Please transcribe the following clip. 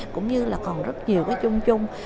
cũng như là còn rất nhiều cái chung chung